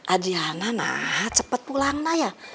adriana nah cepet pulang ya